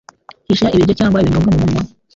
Hisha ibiryo cyangwa ibinyobwa mumunwa